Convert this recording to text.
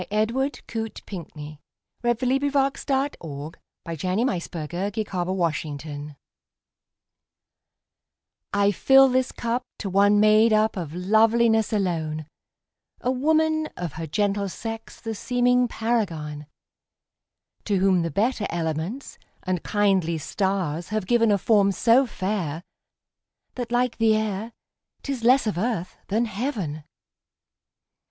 Edward Coate Pinkney 1802–1828 Edward Coate Pinkney 34 A Health I FILL this cup to one made up of loveliness alone,A woman, of her gentle sex the seeming paragon; To whom the better elements and kindly stars have givenA form so fair, that, like the air, 't is less of earth than heaven.